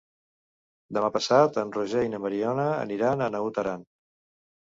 Demà passat en Roger i na Mariona aniran a Naut Aran.